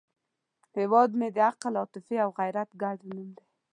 هیواد مې د عقل، عاطفې او غیرت ګډ نوم دی